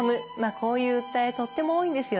こういう訴えとっても多いんですよね。